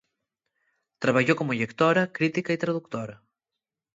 Trabayó como llectora, crítica y traductora.